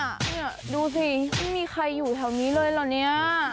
เนี่ยดูสิไม่มีใครอยู่แถวนี้เลยเหรอเนี่ย